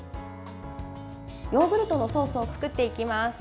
ヨーグルトのソースを作っていきます。